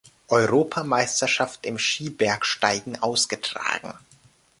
Europameisterschaft im Skibergsteigen ausgetragen.